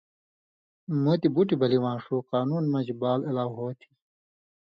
مُتیۡ بُٹیۡ بلی واں ݜُو قانُون مَن٘ژ بال الاؤ ہو تھی۔